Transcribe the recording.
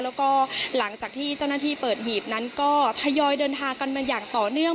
แล้วก็หลังจากที่เจ้าหน้าที่เปิดหีบนั้นก็ทยอยเดินทางกันมาอย่างต่อเนื่อง